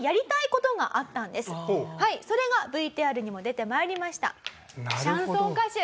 はいそれがＶＴＲにも出てまいりましたシャンソン歌手。